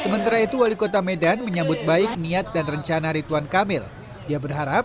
sementara itu wali kota medan menyambut baik niat dan rencana rituan kamil dia berharap